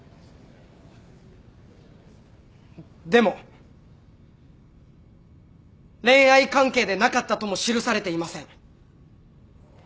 でも恋愛関係でなかったとも記されていません。